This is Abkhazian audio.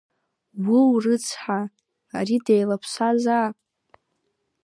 Уыу, рыцҳа, ари деилаԥсазаап.